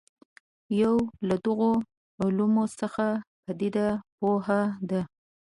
یو له دغو علومو څخه پدیده پوهنه ده.